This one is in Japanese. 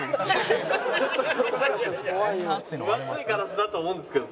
分厚いガラスだと思うんですけどね。